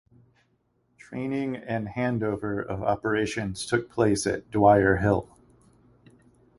Training and handover of operations took place at Dwyer Hill.